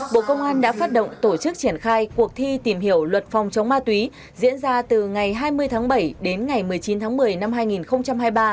bộ công an đã phát động tổ chức triển khai cuộc thi tìm hiểu luật phòng chống ma túy diễn ra từ ngày hai mươi tháng bảy đến ngày một mươi chín tháng một mươi năm hai nghìn hai mươi ba